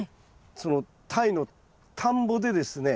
そのタイの田んぼでですね